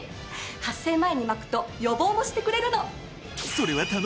発生前にまくと予防もしてくれるの！